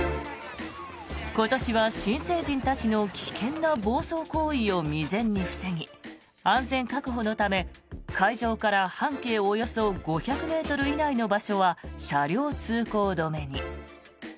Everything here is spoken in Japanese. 今年は新成人たちの危険な暴走行為を未然に防ぎ安全確保のため、会場から半径およそ５００ｍ以内の場所は車両通行止めに。